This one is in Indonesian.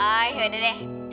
aih yaudah deh